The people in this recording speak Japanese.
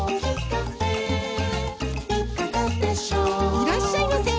いらっしゃいませ！